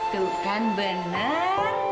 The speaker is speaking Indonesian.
tuh kan benar